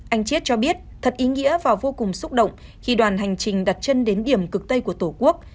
anh chiết cho biết thật ý nghĩa và vô cùng xúc động khi đoàn hành trình đặt chân đến điểm cực tây của tổ quốc